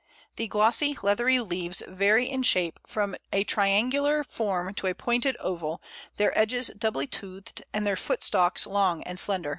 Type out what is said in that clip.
The glossy, leathery leaves vary in shape from a triangular form to a pointed oval, their edges doubly toothed, and their footstalks long and slender.